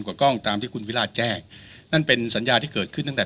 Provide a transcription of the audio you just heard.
กว่ากล้องตามที่คุณวิราชแจ้งนั่นเป็นสัญญาที่เกิดขึ้นตั้งแต่